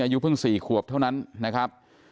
อายุเพิ่ง๔ขวบเท่านั้นนะครับ